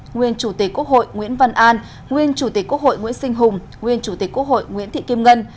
nguyên chủ tịch quốc hội nguyễn văn an nguyên chủ tịch quốc hội nguyễn sinh hùng nguyên chủ tịch quốc hội nguyễn thị kim ngân